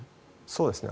そうですね。